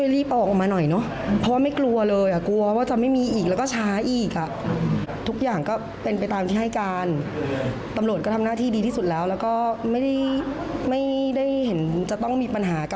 แต่ส่วนตัวชันขออนุญาตคุณแม่ชันไปค่ะ